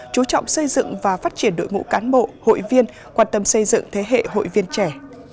chú trọng xây dựng và phát triển đội ngũ cán bộ hội viên quan tâm xây dựng thế hệ hội viên trẻ